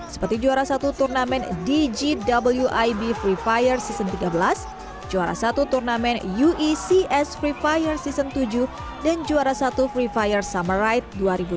seperti juara satu turnamen dgw ib free fire season tiga belas juara satu turnamen uecs free fire season tujuh dan juara satu free fire summer ride dua ribu dua puluh